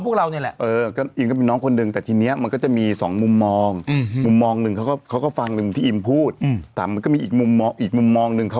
คือไม่ได้ไรอิ่มเนี่ยมันก็เหมือนกับน้องพวกเรานี่แหละ